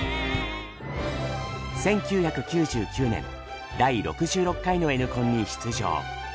１９９９年第６６回のＮコンに出場。